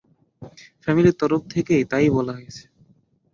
ফ্যামিলির তরফ থেকে তা-ই বলা হয়েছে।